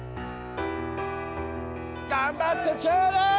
頑張ってちょうだい！